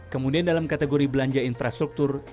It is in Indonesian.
kemudian dalam kategori belanja infrastruktur